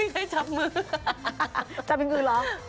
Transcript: เขาไม่เคยจับมือ